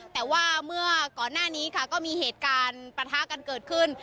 แต่ว่าเมื่อก่อนหน้านี้ค่ะก็มีเหตุการณ์ประทะกันเกิดขึ้น